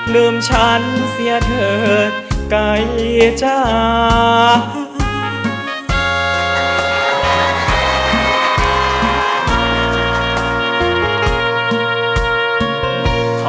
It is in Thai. ลืมฉันเสียเธอใกล้จ้า